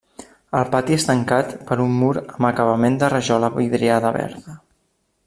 El pati és tancat per un mur amb acabament de rajola vidriada verda.